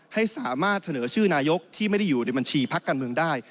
ให้สามารถเสนอชื่อนายกที่ไม่ได้อยู่ในบัญชีพักการเมืองได้